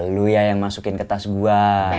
lo ya yang masukin ke tas gua